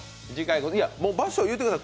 いや、場所言うてください。